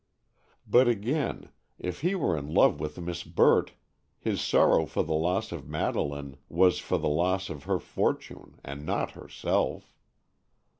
But again, if he were in love with Miss Burt, his sorrow for the loss of Madeleine was for the loss of her fortune and not herself.